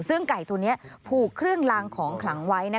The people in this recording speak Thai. ซึ่งไก่ตัวนี้ผูกเครื่องลางของขลังไว้